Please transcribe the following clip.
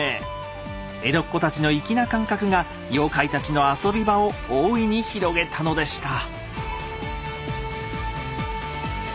江戸っ子たちの粋な感覚が妖怪たちの遊び場を大いに広げたのでした。